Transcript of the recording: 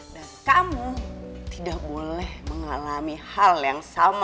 dan kamu tidak boleh mengalami hal yang sama